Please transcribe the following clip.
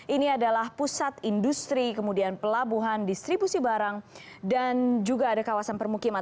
ini adalah pusat industri kemudian pelabuhan distribusi barang dan juga ada kawasan permukiman